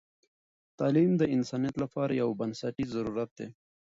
تعلیم د انسانیت لپاره یو بنسټیز ضرورت دی.